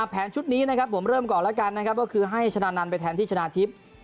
แผนชุดนี้ผมเริ่มก่อนให้ชนานัลไปแทนที่ชนาทิพย์